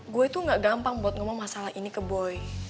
gue itu gak gampang buat ngomong masalah ini ke boy